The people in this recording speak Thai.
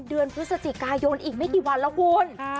เดือนพฤศจิกายนอีกไม่กี่วันแล้วคุณ